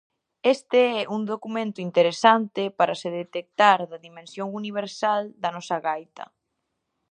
Este é un documento interesante para se decatar da dimensión universal da nosa gaita.